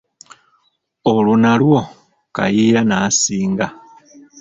Olwo nalwo Kayiira n'asinga.